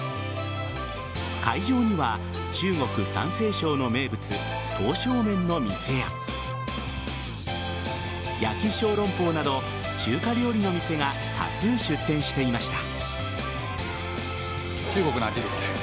会場には中国・山西省の名物刀削麺の店や焼きショウロンポウなど中華料理の店が多数出店していました。